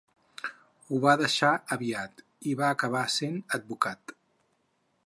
Ho va deixar aviat, i va acabar sent advocat.